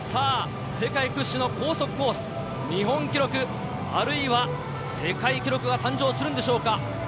世界屈指の高速コース、日本記録、あるいは世界記録が誕生するんでしょうか。